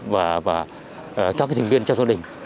và các thành viên gia đình